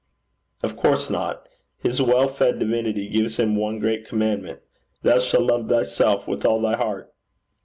'Of course not. His well fed divinity gives him one great commandment: "Thou shalt love thyself with all thy heart.